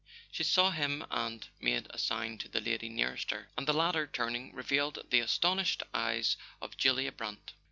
She saw him and made a sign to the lady nearest her; and the latter, turning, revealed the astonished eyes of Julia Brant.